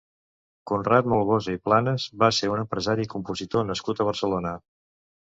Conrad Molgosa i Planas va ser un empresari i compositor nascut a Barcelona.